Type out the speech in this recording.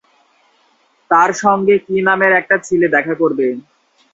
তার সঙ্গে কি নামের একটা ছেলে দেখা করবে?